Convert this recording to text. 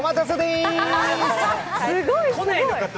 すごいすごい。